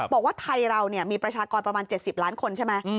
บอกว่าไทยเรามีประชากรประมาณ๗๐ล้านคนใช่ไหม